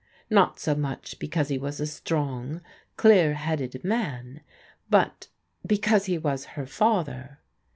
Not so much because he was a strong, clear headed man, but be cause he was her father.